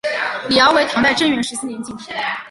李翱为唐代贞元十四年进士。